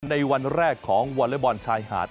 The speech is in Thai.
ในวันแรกของวอเล็กบอลชายหาด